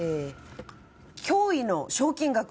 驚異の賞金額！！